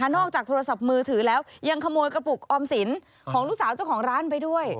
นอกจากโทรศัพท์มือถือแล้วยังขโมยกระปุกออมสินของลูกสาวเจ้าของร้านไปด้วย